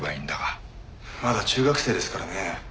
まだ中学生ですからね。